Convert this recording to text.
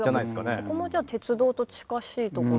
そこもじゃあ鉄道と近しいところが。